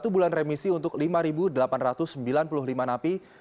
satu bulan remisi untuk lima delapan ratus sembilan puluh lima napi